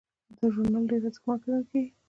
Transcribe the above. دا ژورنال ډیر ارزښتمن ګڼل کیږي.